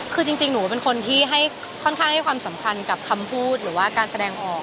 คือจริงหนูเป็นคนที่ให้ค่อนข้างให้ความสำคัญกับคำพูดหรือว่าการแสดงออก